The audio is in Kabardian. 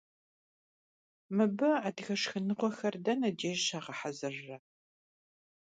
Mıbı adıge şşxınığuexer dene dêjj şağehezırre?